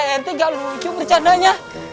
pak rt nggak lucu bercandanya